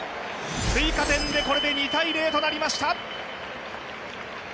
追加点で、これで２−０となりました